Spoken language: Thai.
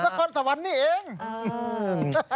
คอนสวรรค์นี่เอง